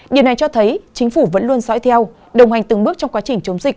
điều này cho thấy chính phủ vẫn luôn dõi theo đồng hành từng bước trong quá trình chống dịch